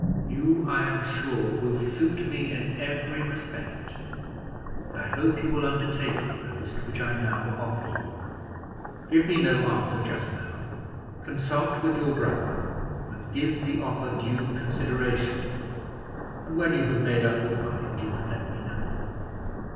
You, I am sure, will suit me in every respect, and I hope you will undertake the post which I now offer to you. Give me no answer just now; consult with your brother, and give the offer due consideration, and when you have made up your mind you can let me know."